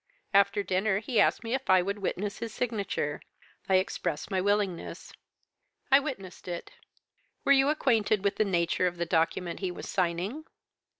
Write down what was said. After dinner he asked me if I would witness his signature. I expressed my willingness. I witnessed it.' "'Were you acquainted with the nature of the document he was signing?'